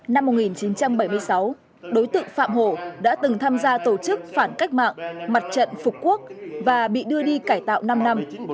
năm một nghìn chín trăm bảy mươi sáu đối tượng phạm hồ đã từng tham gia tổ chức phản cách mạng mặt trận phục quốc và bị đưa đi cải tạo năm năm